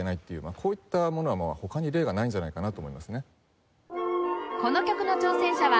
こういったものは他に例がないんじゃないかなと思いますね。